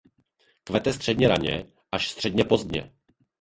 Kvete středně raně až středně pozdě.